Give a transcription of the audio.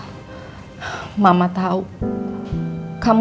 kamu sangat menghormati almarhum papa kamu